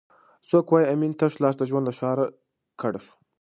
څوک وایي امین تش لاس د ژوند له ښاره کډه شو؟